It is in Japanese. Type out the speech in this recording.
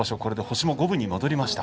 星が五分に戻りました。